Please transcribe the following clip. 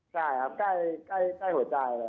ใช่ครับใกล้หัวใจเลยครับ